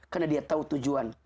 karena dia tahu tujuan